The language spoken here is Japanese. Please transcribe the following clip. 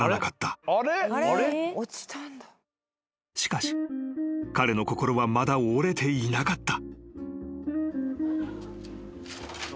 ［しかし彼の心はまだ折れていなかった］